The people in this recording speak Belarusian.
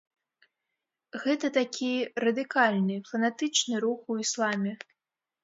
Гэта такі радыкальны, фанатычны рух у ісламе.